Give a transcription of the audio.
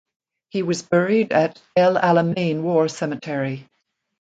He was buried at El Alamein War Cemetery.